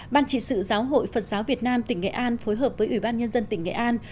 ban trị sự giáo hội phật giáo việt nam tỉnh nghệ an phối hợp với ủy ban nhân dân tỉnh nghệ an